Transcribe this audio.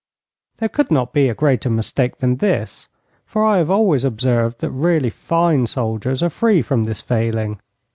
There could not be a greater mistake than this, for I have always observed that really fine soldiers are free from this failing.